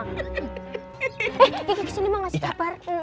eh gigi kesini mau ngasih kabar